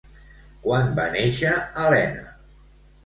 Quan va néixer Helena?